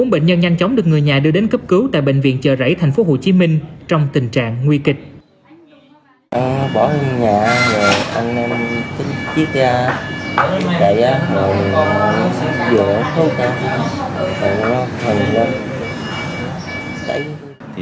bốn bệnh nhân nhanh chóng được người nhà đưa đến cấp cứu tại bệnh viện chợ rẫy tp hcm trong tình trạng nguy kịch